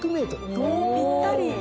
ぴったり。